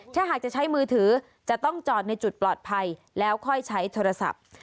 ถ้าหากจะใช้มือถือจะต้องจอดในจุดปลอดภัยแล้วค่อยใช้โทรศัพท์